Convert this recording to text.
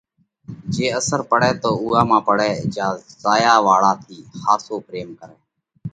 جي اثر پڙئه تو اُوئا مانه پڙئه جيا زايا واۯا ٿِي ۿاسو پريم ڪرئه۔